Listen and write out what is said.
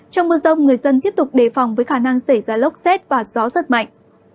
trong mưa rông người dân tiếp tục đề phòng với khả năng xảy ra lốc xét và gió rất mạnh